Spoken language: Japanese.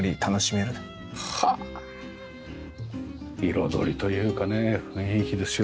彩りというかね雰囲気ですよ